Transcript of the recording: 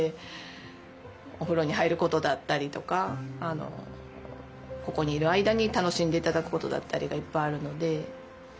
お風呂に入ることだったりとかここにいる間に楽しんで頂くことだったりがいっぱいあるので。